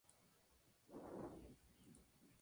Estoy trabajando según mis propios criterios.